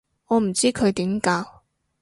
我唔知佢點教